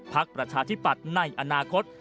พักประชาธิบัติในอนาคต